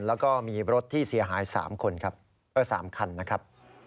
แล้วก็มีรถที่เสียหาย๓คันนะครับ